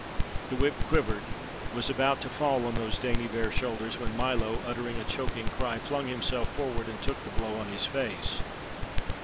The whip quivered, was about to fall on those dainty bare shoulders, when Milo, uttering a choking cry, flung himself forward and took the blow on his face.